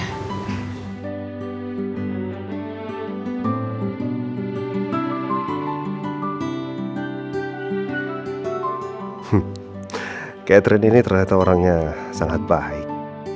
catherine ini ternyata orang yang sangat baik